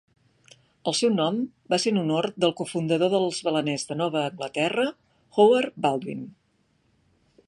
El seu nom va ser en honor del cofundador dels baleners de Nova Anglaterra, Howard Baldwin.